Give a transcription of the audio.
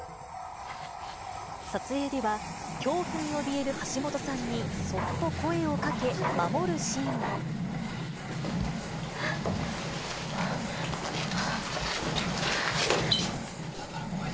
撮影では、恐怖におびえる橋本さんに、そっと声をかけ、守るシーンも。え？